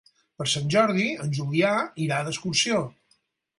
Per Sant Jordi en Julià irà d'excursió.